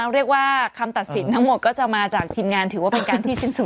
เรียกว่าคำตัดสินทั้งหมดก็จะมาจากทีมงานถือว่าเป็นการที่สิ้นสุด